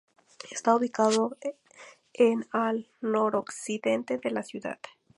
Está ubicado en al noroccidente de la ciudad.